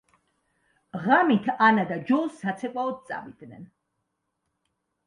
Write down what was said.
ღამით ანა და ჯო საცეკვაოდ წავიდნენ.